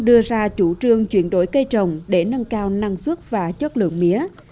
đưa ra chủ trương chuyển đổi cây trồng để nâng cao năng suất và chất lượng mía